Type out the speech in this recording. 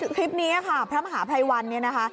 นี่คลิปนี้ภัมษาภายวันเนี่ยนะคะ